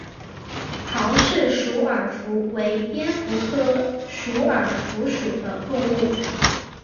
郝氏鼠耳蝠为蝙蝠科鼠耳蝠属的动物。